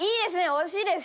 惜しいです！